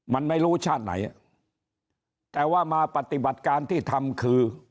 มันไม่รู้ชาติไหนแต่ว่ามาปฏิบัติการที่ทำคือ